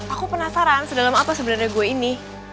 aku penasaran sedalam apa sebenarnya gue ini